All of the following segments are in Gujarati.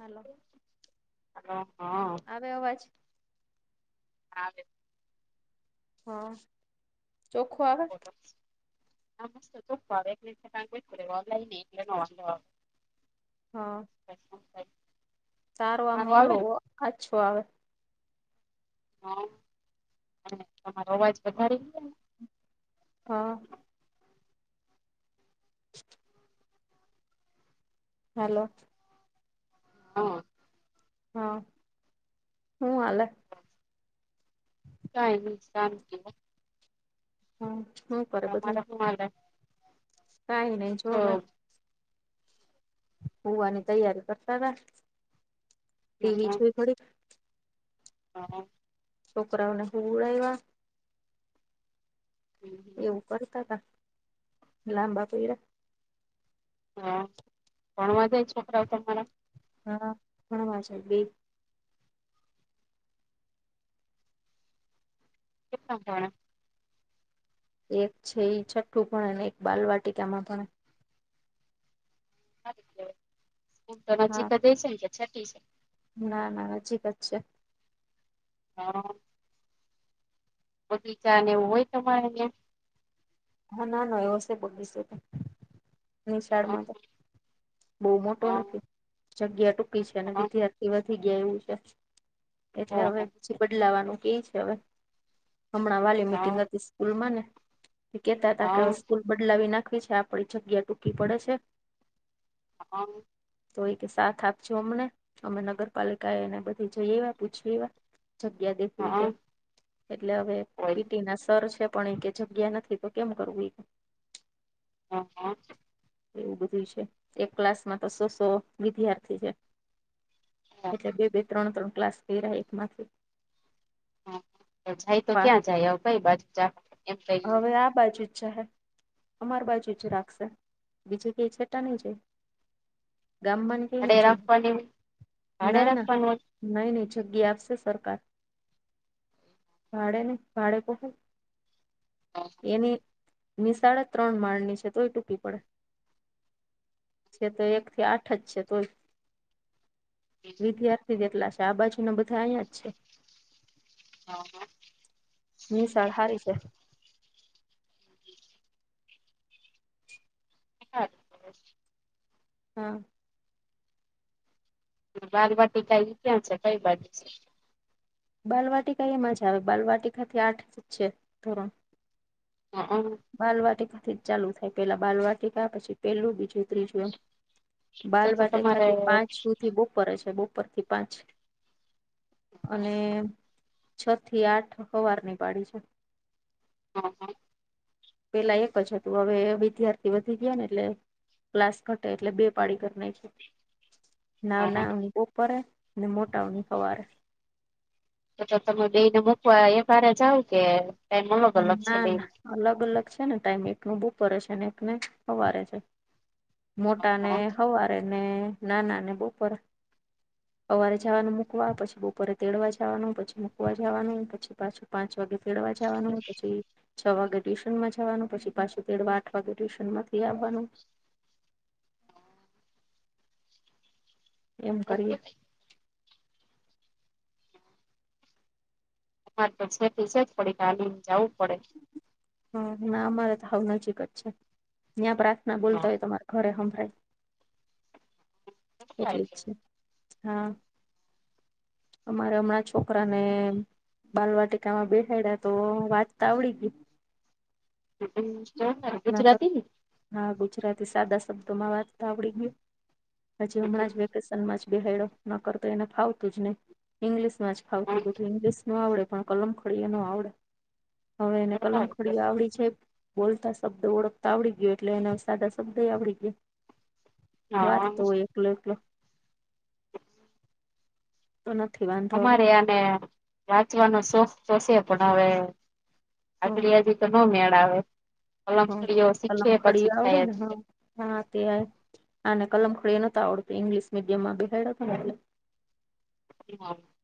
હલો હા આવે અવાજ? હા આવે, હા, ચોખુ આવે, એટલે [unintelligible] [inaudible] [inaudible] હા, હ [inaudible] [inaudible] તારો આમ ઓલો આછો આવે, હા અને તમારો અવાજ વધારી, હા, [inaudible] હલો. હા. હા હું હાલે? કઈ નઈ સારું છે. હમ્મ હું કરે બધા? તમારે હું આલે. કઈ નહી જોબર. પુવાની તૈયારી કરતા થા ટી હા વી જોઈ થોડી હા. છોકરાઓને હુંવડાયવા હમ, પર હતા લાંબા પૈડા. હા ભણવા જાય છોકરાઓ તમારા? હા ભણવા જાય બે. કેટલામાં ભણે? એક છે ઈ છઠ્ઠું ભણે ને એક બાલવાટિકામાં ભણે. તો નજીક હા દેસાઈ છે છટી છે. ના ના નજીક અજ છે. હા. બગીચા નેવું હોય તમારે ત્યાં. હા ના ના એવ હશે બોગીશે એ તો. હા નિશાળમાં બહુ મોટો હા નથી જગ્યા ટૂંકી છે અને હા વિધ્યા એ વધી ગયા એવું છે. એટલે ઓહો, હવે પછી બદલાવાનું કે છે હવે. હમણાં વાલી હા મીટિંગ હતી સ્કૂલમાં ને કેતા હતા કે હા સ્કૂલ બદલાવી નાખવી છે આપડી જગ્યા ટૂકી પડે છે. હ હ. તો એક કે સાથ આપજો અમને અમે નગરપાલિકા એ એને બધી જઈ એવા પૂછી એવા. જગ્યા દેખવી હા કે એટલે હવે હોય પીટીના સર છે પણ એ કે જગ્યા નથી. તો કેમ કરવું એ. હા હા. એવું બધું છે એક ક્લાસમાં તો સો સો વિદ્યાર્થી છે. એટલે બે બે ત્રણ ત્રણ ક્લાસ થઈ રહ્યા એકમાંથી. હ જાય તો ક્યાં જાય આવ કઈ બાજુ જા. એમ કઈ હવે આ બાજુ જ છે હે અમાર બાજુ જ રાખશે બીજે કઈ છેટં નહી જાય. ગામમાં કઈ ન ભાડે જાય રાખવાની ભાડે રાખવાનું. નહી નહી જગ્યા આપશે સરકાર ભાડે નહીં ભાડે કહો. એની નીશાળ એ ત્રણ માળની છે તોય ટૂકી પડે. છે તો એક થી આઠ જ છે તોય. વિધ્યાર્થી જેટલા છે આ બાજુના બધા અહીંયા જ છે. હા હા. નિશાળ હારી છે. [unintelligible] હા. બાળવાટીકા ઈ ક્યાં છે કઈ બાજુ છે? બાલવાટી કા એ મજા આવે બાલવાટીકાથી આઠ છે ધોરણ. હક. બાલવાટિકાથી જ ચાલુ થાય પેલા બાલવાટિકા પછી પેલું, બીજું, ત્રીજું એમ. તો તો બાલવાટીકા તમારે થી પાંચ સુ થી બપર હ છે બોપર થી પાંચ અને અને છ થી આઠ હવારની પાડી છે. હા, હા. પેલા એક જ હતું હવે વિદ્યાર્થી વધી ગયા ને એટલે ક્લાસ ઘટે એટલે બે પાડી કરી નાખી. [inaudible] નાવ ના બપોરે અને મોટાઓની સવારે. તો તમે બે ને મુકવા એક હારે જાવ કે? ટાઈમ અલગ અલગ છે ના બેન ના અલગ અલગ છે ને ટાઈમ એક ને બુપરે છે ને એકને હવારે છે. મોટા ને હવારે ને નાના ને બોપરે. હવારે જવાનું મૂકવા પછી બપોરે તેડવા જવાનું પછી મૂકવા જવાનું પછી પાછું પાંચ વાગે તેડવા જવાનું પછી છ વાગે ટ્યુશનમાં જવાનું પછી પાછું તેડવા આઠ વાગે ટ્યુશન માંથી આવવાનું. એમ કરીએ માર તો છેકો છેક જ પડીલીને જવું પડે. હા ના અમારે તો હાવ નજીક જ છે. ત્યાં પ્રાર્થના બોલતા હોય તમારા ઘરે હંભાઈ? એટલી જ છે, હા, અમારે હમણાં છોકરાને બાલવાટિકામાં બેહાયડા તો વાંચતા આવડી ગયું. [inaudible] નકર ગુજરાતીને? હા ગુજરાતી સાદા શબ્દોમાં વાંચતા આવડી ગયું પછી હમણાં જ વેકેશ પન મા જ બેહાયડો ના કરતો એને ફાવતું જ નહી ઈંગ્લિશમાં જ ફાવતું બધું ઈંગલિશ ન આવડે પણ કલમ ખડીયા ન આવડે હવે એને કલમ ખડીએ આવડી છે બોલતા શબ્દ ઓળખતા આવડી ગયો એટલે એના સાદા શબ્દ એ આવડી ગયા, હા વાત તો [unintelligible] તો નથી વાંધ અમારે આને વાંચવાનો શોખ તો છે પણ હવે હમ આપડી આ નો મેળ આવે હમ પલખડીઓ કલમ શીખીએ ખડી પછી આવડે ખાય ને હા હા તેય અને કલમખડી નતો આવડતું ઇંગ્લિશ મીડિયમમાં બેહાયડા તા ને એટલે. [unintelligible]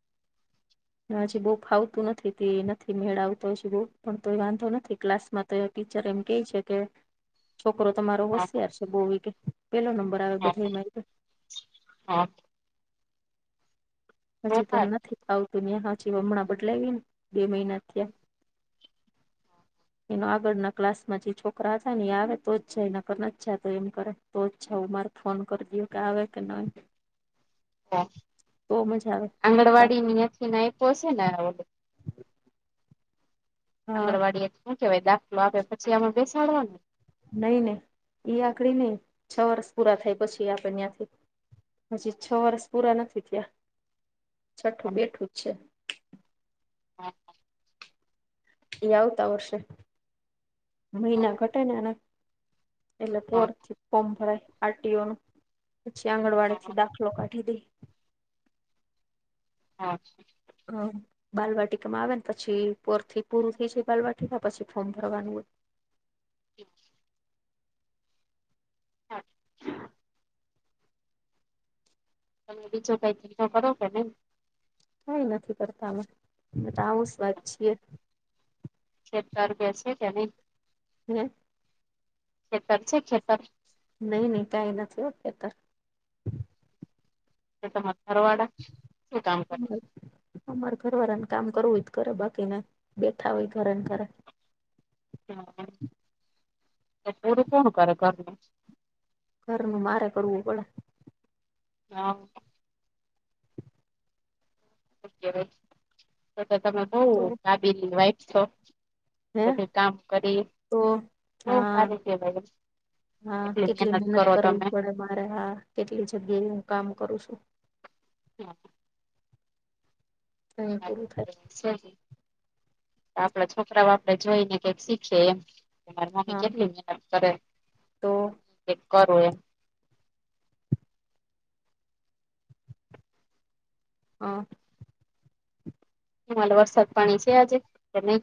આજે બો ફાવતું નથી તે નથી મેળ આવતો હ બુ પણ તો એ વાંધો નથી ક્લાસમાં. તો ટીચર એમ કેય છે કે [inaudible] છોકરો તમારો હોશિયાર છે બહવી કે પેલો નંબર આવે બધા મારકે. હા. હછી તેને નથી ફાવતું ને હી હમણાં બદલાવી ને બે મહિના થયા. એનો આગળના ક્લાસમાં જે છોકરા હતા ને એ આવે તો જ જાય નકર નથ જતો એમ કરે. તો જ છે મારે ફોન કરી દયો કે આવે કે નહી. મજા આવે [inaudible] આંગણવાડી બાકી ન્યાથી આયપો હશે ને હવે. હા આંગણવાડી એ શું કેવાય દાખલો આપે પછી આમાં બેસાડવાનું. નઈ નહી ઈ આકડી નઈ છ વર્ષ પૂરા થાય પછી આપે ન્યાથી. હજી છ વર્ષ પૂરા નથી થયા છઠ્ઠું બેઠું જ છે. હા. પછી આવતા વર્ષે મહિના ઘટે ને એના એટલે પોર થી ફોર્મ ભરાય આરટીઓનું પછી આંગણવાડીથી દાખલો કાઢી દે. હા અ બાલવાટિકામાં આવે ને પછી પોર થી પૂરું થઈ જાય બાલવાટિકા પછી ફોર્મ ભરવાનું હોય. [inaudible] હા. તમને બીજો કાઈ ધંધો કરો કે નય? કાઈ નથી કરતા અમે અમે તો આવું જ વાત છીએ. શેર ચાર બેસે કે નય? હે ખેતર છે ખેતર નય નય કાઈ નથી હો ખેતર. તમારા ઘરવાડા શું કામ કરે? અમારા ઘરવાળા ને કામ કરવુંય કરે બાકી ના બેઠા હોય ઘરે ને ઘરે. હા તો પૂરુ કોણ કરે ઘરનું? ઘરનું મારે કરવું પડે. હા તો તો તમે બો તો કાબીલી વાઇફ છો. હે બધે કામ કરી તો બો હા સારું કેહવાય હો. હા કેટલી મહેનત કરવી પડે મારે. હા કેટલી જગ્યાએ હું કામ કરું છું. હા ત્યાં પૂરું થાય. શું કેય. આપડા છોકરાઓ આપડે જોઈ ને કઈક શીખે એમ. કે મારી મમ્મી હા જમીને હેલ્પ કરે, તો કાઈ કરું એમ. હા એમાં વરસાદ પાણી છે આજે કે નય.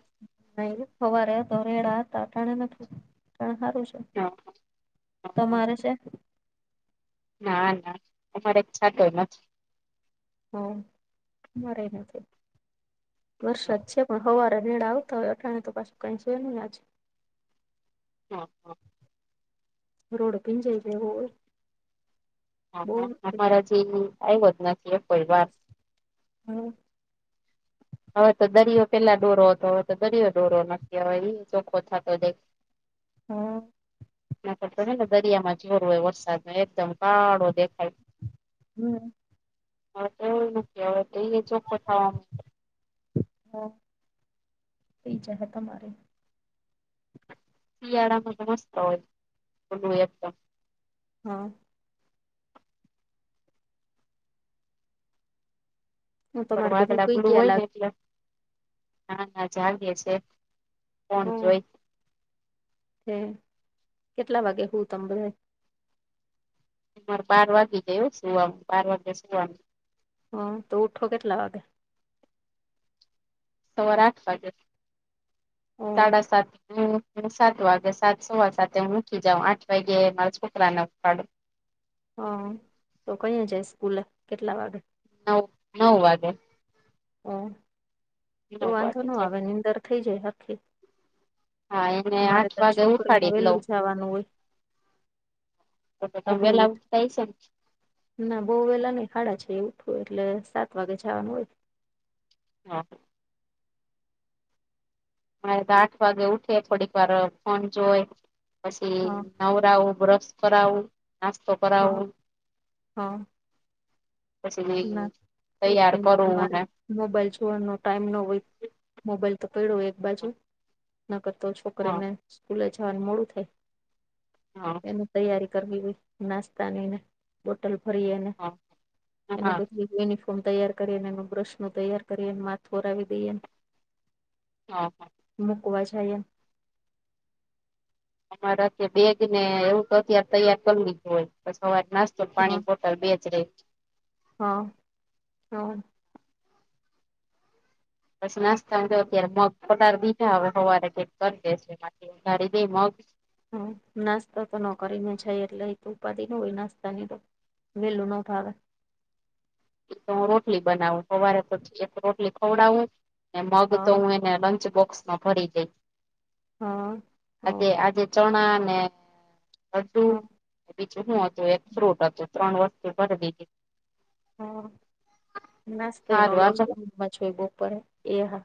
નય રે સવારે તો રેડા અતા અટાણે નથી તણ સારું છે. હા તમારે છે? ના ના અમારે છાટાય નથ. હા અમારે યે નથી વરસાદ છે પણ હવારે રેય આવતા હોય અઠાણ તો પાછું કઈ છે ની આજ. હા હા. રોડ ભીંજાય જેવો હોઈ. હા હા અમારા જે આયવત નથી આ પરિવાર હમમ હવે તો દરિયો પેલા દોરો હતો હવે તો દરિયો ડોરો નથી હવે એ ચોખ્ખો થતો દે. [inaudible] હા. નય તો હે ને દરિયામાં જોર હોય વરસાદ નો એકદમ કાળો દેખાય. હમમ. હવે તો એવું નથી હવે તો ઈ એ ચોખખો થવાનું. હા પિઝા હતા તમારે શિયાળા મા તો મસ્ત હોય ખુલું એકદમ. હ. હું તમારે બધા સુઈ ગયા લાગે [unintelligible] [unintelligible] ફોન જોઈને. હમ્મ કેટલા વાગે હુંઉ તમે બધાય? અમારે બાર વાગે ગયું સુવાનું બાર વાગ્યે સુવાનું. હા તો ઉઠો કેટલા વાગે? સવાર આઠ વાગે હ સાડા સાત હમ સાત વાગે સાત સવા સાથે હું ઊઠી જાઉ આઠ વાયગે મારા છોકરાને ઊઠાડું. હ તો કહીયા જાય સ્કૂલે? કેટલા વાગે? નવ નવ વાગે. ઓ તો નવ વાંધો વાગે ન આવે જાય. નીંદર થઈ જાય આખી. હા એને આઠ વાગે છોકરીને ઉઠાડી જ લઉ. વેલું જવાનું હોય તો તો તમેે બધા વેલા ઉઠ [unintelligible] થાય છે ને. ના બહુ વેલા નઈ હાડા છ એ ઉઠવું એટલે સાત વાગે જવાનું હોય. હા. મારે તો આઠ વાગે ઉડીએ થોડીક વાર ફોન જોય પછી હા નવ નાવુ બ્રશ કરાવું નાસ્તો હા કરાવું. હા ના પછી તૈયાર ઉઠીને કરુ તમારે ને મોબાઈલ જોવાનો ટાઈમ ન હોય મોબાઈલ તો પયડો હોય એક બાજુ. ન કરતો હા છોકરીને સ્કૂલે જવાનું મોડું થાય હા એનું તૈયારી કરવી હોય નાસ્તાનીને બોટલ ભરીએને [unintelligible] એને હા બધું યુનિફોર્મ તૈયાર કરીને એનું બ્રશનું તૈયાર કરીને માથું ઓરાવી દઈએને. હ હ. મુકવા જાઈએ. અમારા કે બેગને એવું ત અત્યારે તૈયાર કરવી જ હોય સવાર નાસ તો પાણીની બોટલ બેજ રેય. હ [unintelligible] પછી નાસ્તામાં અત્યારે મગ પટાર બીજા આવે હવારે કરી દે છે. [unintelligible] મગ હમ નાસ્તોતો નો કરીને જઈએ એટલે તો ઉપાધિ ન હોય નાસ્તાની તો. વેલુ ના ઉઠાવે. તો હું રોટલી બનાવું સવારે તો એક રોટલી ખવડાવુંને મગ તો હા હું એ ને લંચબોક્સમાં ભરીદે હા હ આજે આજે ચણા ને લડ્ડુ. હ બીજું હું હતું એક ફ્રૂટ હતું ત્રણ વસ્તુ ભરી દીધી. હા નાસ્તો એ ન સારું હાલો [unintelligible] બપોરે એ હા.